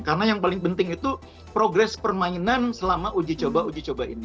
karena yang paling penting itu progres permainan selama uji coba ujicoba ini